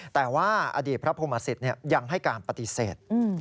แต่ว่าอดีตพระพรหมศิษย์ยังให้การปฏิเสธ